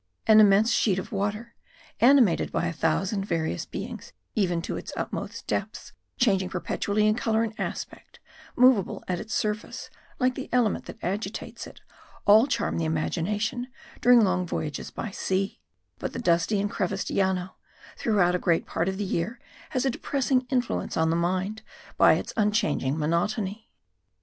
An immense sheet of water, animated by a thousand various beings even to its utmost depths, changing perpetually in colour and aspect, moveable at its surface like the element that agitates it, all charm the imagination during long voyages by sea; but the dusty and creviced Llano, throughout a great part of the year, has a depressing influence on the mind by its unchanging monotony.